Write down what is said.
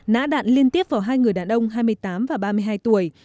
nã đạn liên tiếp vào hai người đàn ông hai mươi tám và ba mươi hai tuổi